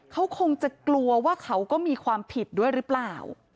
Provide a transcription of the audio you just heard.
เขาคงจะกลัวว่าเขาก็มีความผิดด้วยหรือเปล่า